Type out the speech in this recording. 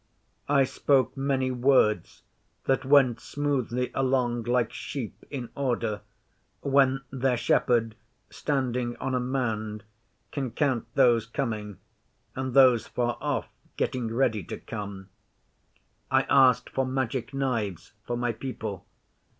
I spoke many words that went smoothly along like sheep in order when their shepherd, standing on a mound, can count those coming, and those far off getting ready to come. I asked for Magic Knives for my people.